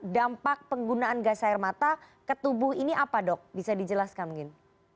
dampak penggunaan gas air mata ke tubuh ini apa dok bisa dijelaskan mungkin